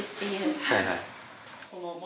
はいはい。